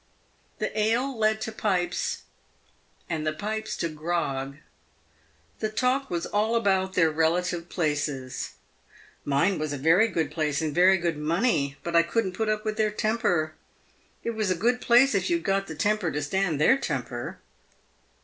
The ale led to pipes, and the pipes to grog. The talk was all about their relative places. " Mine was a very good place, and very good money, but I couldn't put up with their temper. It was a good place if you'd got the temper to stand their temper."